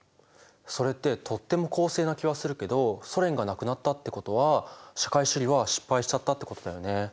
それってとっても公正な気はするけどソ連がなくなったってことは社会主義は失敗しちゃったってことだよね。